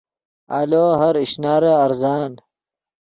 آلو ہر اشنارے ارزان